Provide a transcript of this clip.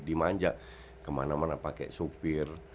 di manja kemana mana pakai supir